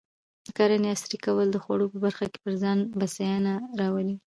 د کرنې عصري کول د خوړو په برخه کې پر ځان بسیاینه راولي.